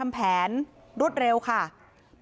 ไม่ตั้งใจครับ